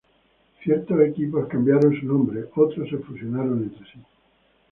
Ciertos equipos cambiaron su nombre, otros se fusionaron entre sí.